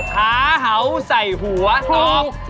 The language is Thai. ขาเหาใส่หัวตอบพลง